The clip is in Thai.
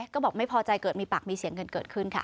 ก็บอกไม่พอใจเกิดมีปากมีเสียงกันเกิดขึ้นค่ะ